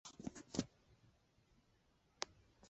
后来进驻波斯尼亚和科索沃作为指挥单位。